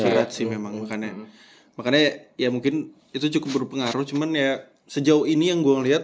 berat sih memang makanya ya mungkin itu cukup berpengaruh cuman ya sejauh ini yang gue liat